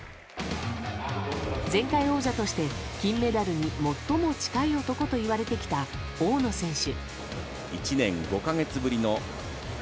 前回王者として金メダルに最も近い男と言われてきた大野選手。